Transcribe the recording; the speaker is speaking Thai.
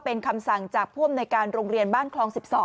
เป็นคำสั่งจากผู้อำนวยการโรงเรียนบ้านคลอง๑๒